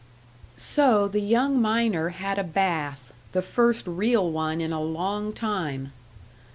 So the young miner had a bath, the first real one in a long time.